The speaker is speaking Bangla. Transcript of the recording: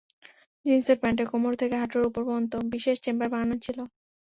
জিনসের প্যান্টে কোমর থেকে হাঁটুর ওপর পর্যন্ত বিশেষ চেম্বার বানানো ছিল।